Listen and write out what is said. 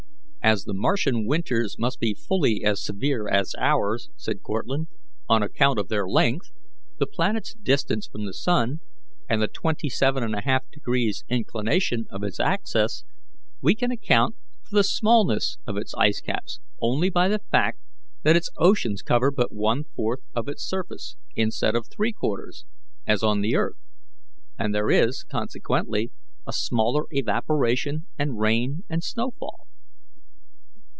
"As the Martian winters must be fully as severe as ours," said Cortlandt, "on account of their length, the planet's distance from the sun, and the twenty seven and a half degrees inclination of its axis, we can account for the smallness of its ice caps only by the fact that its oceans cover but one fourth of its surface instead of three quarters, as on the earth, and there is consequently a smaller evaporation and rain and snow fall."